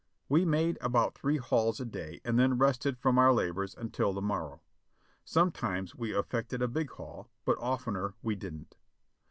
We made about three hauls a day and then rested from our labors until the morrow. Some times we eftected a big haul, but oftener we didn't.